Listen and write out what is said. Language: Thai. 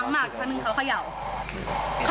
แล้วคือเขาก็ดังมากทางนึงเขาเขย่า